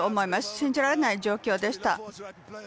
信じられない状況でした。